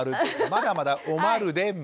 まだまだおまるで○。